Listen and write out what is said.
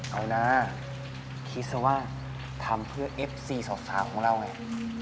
เอานะคิดเสียว่าทำเพื่อเอฟซีศาสตร์ของเราไง